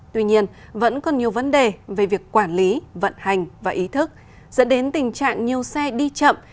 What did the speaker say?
tuy nhiên vẫn còn nhiều vấn đề về việc quản lý vận hành và ý thức dẫn đến tình trạng nhiều xe đi chậm